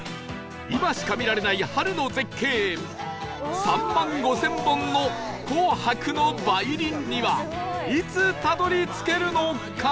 今しか見られない春の絶景３万５０００本の紅白の梅林にはいつたどり着けるのか？